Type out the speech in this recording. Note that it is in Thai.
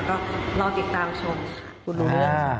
ก็รอติดตามชมค่ะ